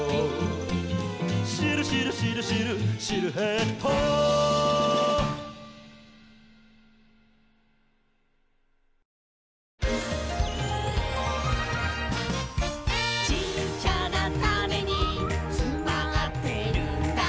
「シルシルシルシルシルエット」「ちっちゃなタネにつまってるんだ」